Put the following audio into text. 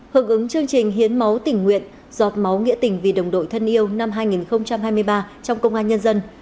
hợp ứng chương trình hiến máu tình nguyện giọt máu nghĩa tình vì đồng đội thân yêu năm hai nghìn hai mươi ba trong công an nhân dân